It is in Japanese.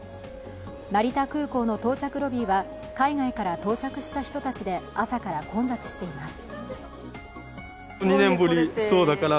成田空港の到着ロビーは海外から到着した人たちで朝から混雑しています。